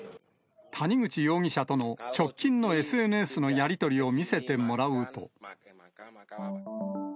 谷口容疑者との直近のＳＮＳのやり取りを見せてもらうと。